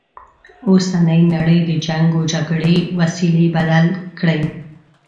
اوسنۍ نړی د جنګ و جګړې وسیلې بدل کړي.